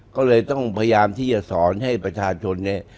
ก็เลยต้องพยายามที่จะสอนให้ประชาชนเนี่ย